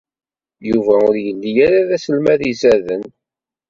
Yuba ur yelli ara d aselmad izaden.